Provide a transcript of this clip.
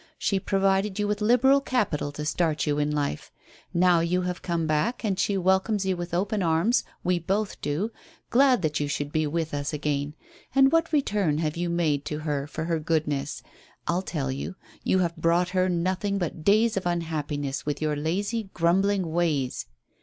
She provided you with liberal capital to start you in life. Now you have come back, and she welcomes you with open arms we both do glad that you should be with us again. And what return have you made to her for her goodness? I'll tell you; you have brought her nothing but days of unhappiness with your lazy, grumbling ways.